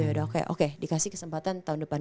yaudah oke oke dikasih kesempatan tahun depan